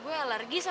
gue jual drink deh